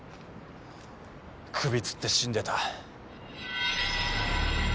首つって死んでた。